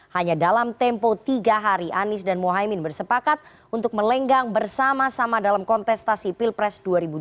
hanya dalam tempo tiga hari anies dan mohaimin bersepakat untuk melenggang bersama sama dalam kontestasi pilpres dua ribu dua puluh